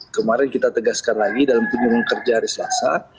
kemarin kita tegaskan lagi dalam kunjungan kerja hari selasa